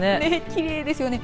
きれいですね。